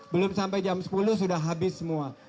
belum sampai jam sepuluh sudah habis semua